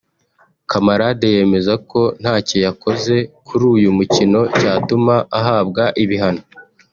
Camarade yemeza ko ntacyo yakoze kuri uyu mukino cyatuma ahabwa ibihano